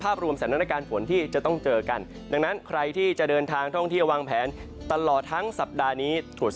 โปรดติดตามตอนต่อไป